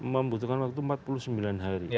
membutuhkan waktu empat puluh sembilan hari